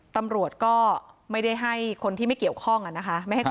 ตำรวจก็ไม่ได้ให้คนที่ไม่เกี่ยวข้องนะคะ